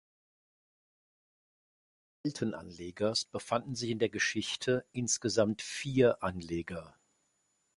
An der Stelle des alten Anlegers befanden sich in der Geschichte insgesamt vier Anleger.